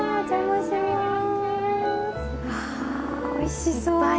わおいしそう。